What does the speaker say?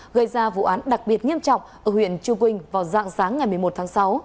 gây ra vụ án đặc biệt nghiêm trọng ở huyện chư quynh vào dạng sáng ngày một mươi một tháng sáu